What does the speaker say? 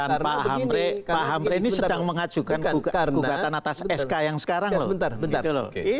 dan pak hamre ini sedang mengacukan kugatan atas sk yang sekarang loh